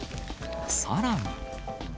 さらに。